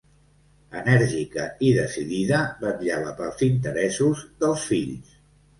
Enèrgica i decidida, vetllava pels interessos dels fills.